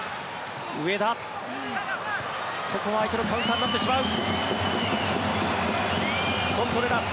ここは相手のカウンターになってしまう。